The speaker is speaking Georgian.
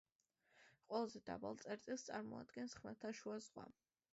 ყველაზე დაბალ წერტილს წარმოადგენს ხმელთაშუა ზღვა.